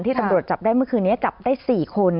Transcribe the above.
ตำรวจจับได้เมื่อคืนนี้จับได้๔คน